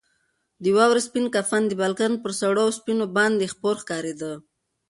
د واورې سپین کفن د بالکن پر سړو اوسپنو باندې خپور ښکارېده.